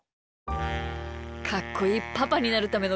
かっこいいパパになるためのけんきゅう！